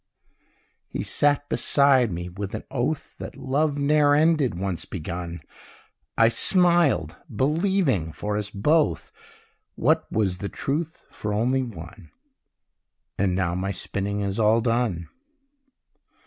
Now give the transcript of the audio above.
He sat beside me, with an oath That love ne'er ended, once begun; I smiled, believing for us both, What was the truth for only one: And now my spinning is all done.